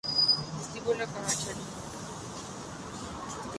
Vestíbulo Carabanchel